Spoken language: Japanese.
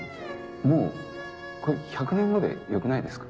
もうこれ「１００年後」でよくないですか？